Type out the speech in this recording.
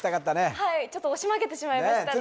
はいちょっと押し負けてしまいましたね